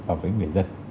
và với người dân